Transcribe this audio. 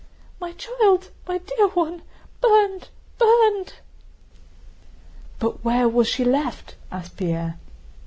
"My child, my dear one! Burned, burned!" "But where was she left?" asked Pierre.